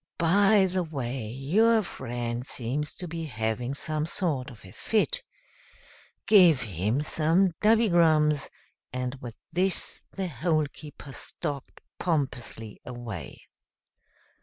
By the way, your friend seems to be having some sort of a fit. Give him some dubbygrums;" and with this the Hole keeper stalked pompously away.